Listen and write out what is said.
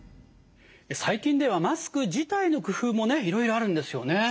最近ではマスク自体の工夫もねいろいろあるんですよね。